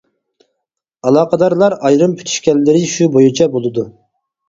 ئالاقىدارلار ئايرىم پۈتۈشكەنلىرى شۇ بويىچە بولىدۇ.